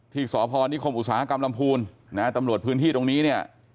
ที่สพนิคมอุตสาหกรรมลำพูนนะฮะตำรวจพื้นที่ตรงนี้เนี่ย